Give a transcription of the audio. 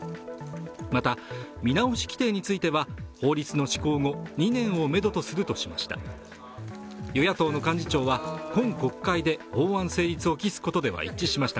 また、見直し規定については法律の施行後２年をめどとするとしました。